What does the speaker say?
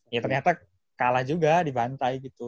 ya ternyata kalah juga di bantai gitu